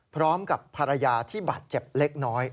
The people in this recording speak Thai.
พร้อมกับภรรยาที่บาดเจ็บเล็กน้อย